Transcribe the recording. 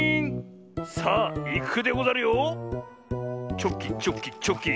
チョキチョキチョキ。